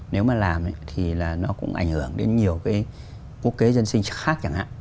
nếu mà làm thì là nó cũng ảnh hưởng đến nhiều cái quốc kế dân sinh khác chẳng hạn